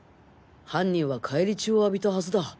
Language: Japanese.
犯人は返り血を浴びたはずだ。